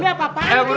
eh buen buen